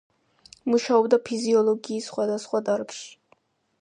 მუშაობდა ფიზიოლოგიის სხვადასხვა დარგში.